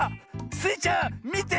スイちゃんみて！